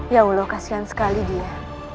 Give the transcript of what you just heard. ya allah kasian sekali dia